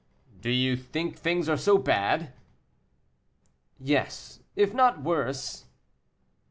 "Do you think things are so bad?" "Yes, if not worse."